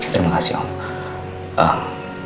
terima kasih om